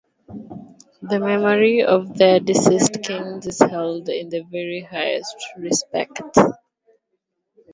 The memory of their deceased kings is held in the very highest respect.